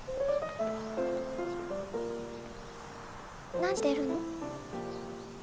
何してるの？